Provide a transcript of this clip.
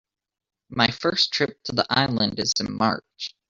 My first trip to the island is in March.